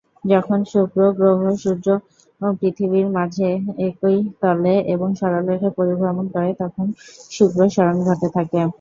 যখন শুক্র গ্রহ, সূর্য ও পৃথিবীর মাঝে একই তলে এবং সরলরেখায় পরিভ্রমণ করে তখন শুক্র সরণ ঘটে থাকে।